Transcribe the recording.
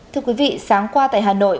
thưa quý vị sáng qua tại hà nội